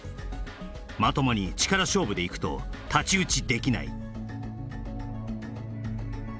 まともに力勝負でいくと太刀打ちできない